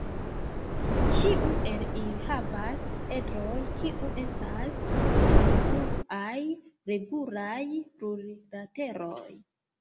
Ĉiu el ili havas edroj kiu estas kongruaj regulaj plurlateroj.